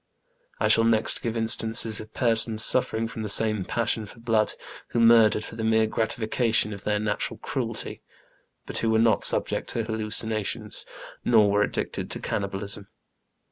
I shall next give instances of persons suflfering from the same passion for blood, who murdered for the mere gratification of their natural cruelty, but who were not subject to hallucinations, nor were addicted to can nibalism.